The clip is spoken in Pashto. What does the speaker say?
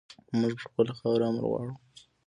مونږ پر خپله خاوره امن غواړو